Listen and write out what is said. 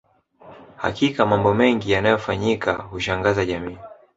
Hakika mambo mengi yanayofanyika hushangaza jamii